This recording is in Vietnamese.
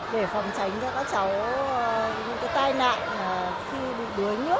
để phòng tránh cho các cháu những tai nạn khi bị đuối nước